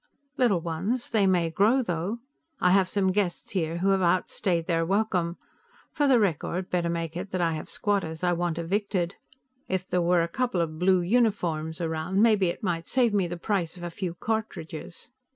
"Little ones; they may grow, though. I have some guests here who have outstayed their welcome. For the record, better make it that I have squatters I want evicted. If there were a couple of blue uniforms around, maybe it might save me the price of a few cartridges."